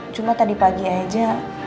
cuma tadi pagi aja